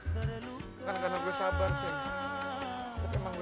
bukan karena gue sabar sih